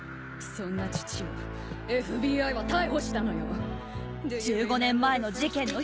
そんな父をＦＢＩは逮捕したのよ。